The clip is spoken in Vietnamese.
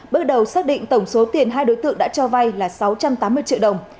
bước đầu xác định tổng số tiền hai đối tượng đã cho vay là sáu trăm tám mươi triệu đồng